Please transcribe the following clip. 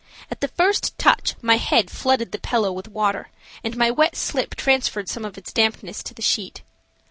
At the first touch my head flooded the pillow with water, and my wet slip transferred some of its dampness to the sheet.